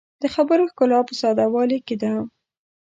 د خبرو ښکلا په ساده والي کې ده